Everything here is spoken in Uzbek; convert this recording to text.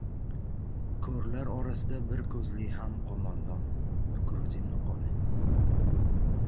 Ko‘rlar orasida bir ko‘zli ham qo‘mondon. Gruzin maqoli